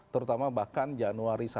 terutama bahkan januari september